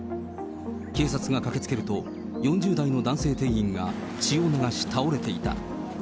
警察が駆けつけると、４０代の男性店員が血を流し倒れていた。